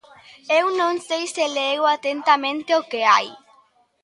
Eu non sei se leu atentamente o que hai.